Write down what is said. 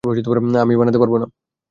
আমি বানাতে পারবো।